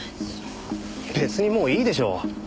別にもういいでしょ。